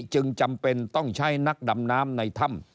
จึงจำเป็นต้องใช้นักดำน้ำในถ้ำ